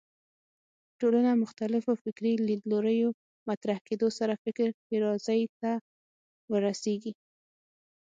ټولنه مختلفو فکري لیدلوریو مطرح کېدو سره فکر ښېرازۍ ته ورسېږي